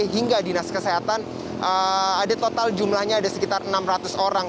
hingga dinas kesehatan ada total jumlahnya ada sekitar enam ratus orang